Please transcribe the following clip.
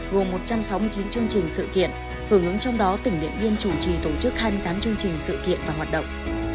gồm một trăm sáu mươi chín chương trình sự kiện hưởng ứng trong đó tỉnh điện biên chủ trì tổ chức hai mươi tám chương trình sự kiện và hoạt động